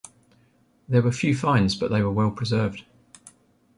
There were few finds but they were well-preserved.